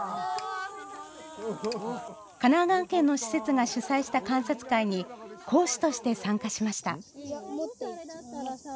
神奈川県の施設が主催した観察会に講師として参加しました。